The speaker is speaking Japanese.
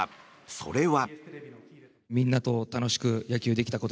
それは。